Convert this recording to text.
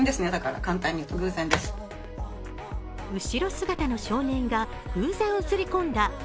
後ろ姿の少年が偶然写り込んだ